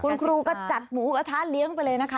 คุณครูก็จัดหมูกระทะเลี้ยงไปเลยนะคะ